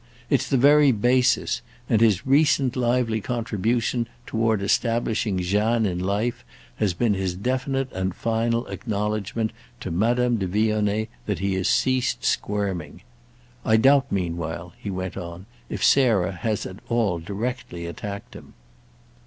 It's the very basis, and his recent lively contribution toward establishing Jeanne in life has been his definite and final acknowledgement to Madame de Vionnet that he has ceased squirming. I doubt meanwhile," he went on, "if Sarah has at all directly attacked him."